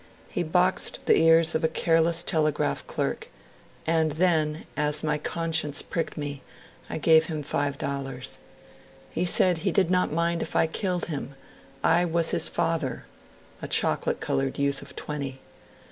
He boxed the ears of a careless telegraph clerk 'and then, as my conscience pricked me, I gave him $5. He said he did not mind if I killed him I was his father (a chocolate coloured youth of twenty).'